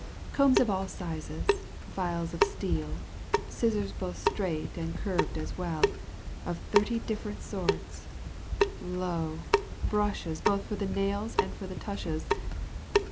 Combs of all sizes, files of steel, Scissors both straight and curved as well. Of thirty different sorts, lo ! brushes Both for the nails and for the tushes.